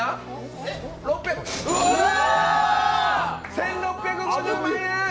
１６５０万円！！！